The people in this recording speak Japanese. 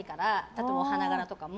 例えば、花柄とかも。